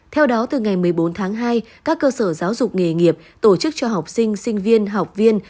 theo đó từ ngày một mươi bốn tháng hai các cơ sở giáo dục nghề nghiệp tổ chức cho học sinh sinh viên học viên